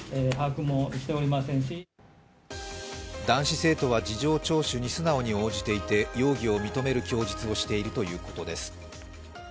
男子生徒は事情聴取に素直に応じていて容疑を認める供述をしているということです。